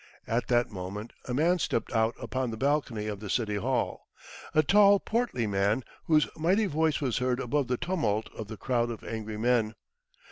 At that moment a man stepped out upon the balcony of the City Hall, a tall, portly man, whose mighty voice was heard above the tumult of the crowd of angry men.